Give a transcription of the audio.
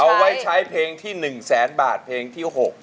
เอาไว้ใช้เพลงที่๑แสนบาทเพลงที่๖